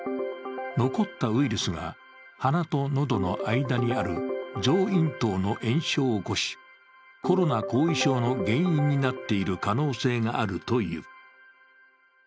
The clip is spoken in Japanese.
残ったウイルスが、鼻と喉の間にある上咽頭の炎症を起こし、コロナ後遺症の原因になっている可能性があるという。